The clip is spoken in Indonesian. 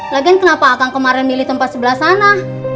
lagian kenapa kang kemarin milih tempat sebelah sana